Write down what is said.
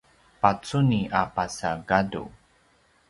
pacuni a pasa gadu